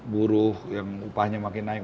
buruh yang upahnya makin naik